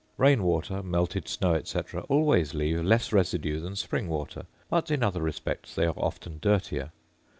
Rain water, melted snow, &c., always leave less residue than spring water; but in other respects they are often dirtier.